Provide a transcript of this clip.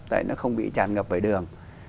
tại nó không bị tràn ngập bởi đường